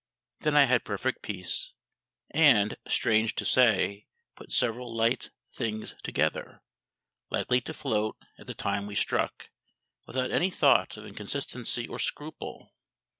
Then I had perfect peace; and, strange to say, put several light things together, likely to float at the time we struck, without any thought of inconsistency or scruple.